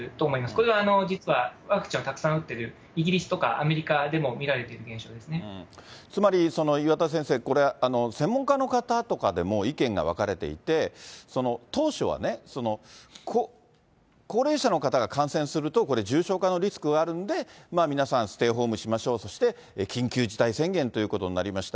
これは実はワクチンをたくさん打ってるイギリスとかアメリカでもつまり岩田先生、これ、専門家の方とかでも意見が分かれていて、当初はね、高齢者の方が感染するとこれ、重症化のリスクがあるんで、皆さんステイホームしましょう、そして緊急事態宣言ということになりました。